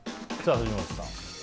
藤本さん。